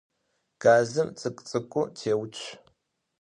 Gazım ts'ık'u - ts'ık'u têutsu.